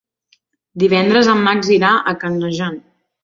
Divendres en Max irà a Canejan.